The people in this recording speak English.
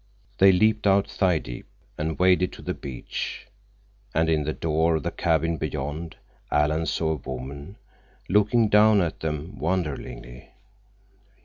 They leaped out, thigh deep, and waded to the beach, and in the door of the cabin beyond Alan saw a woman looking down at them wonderingly.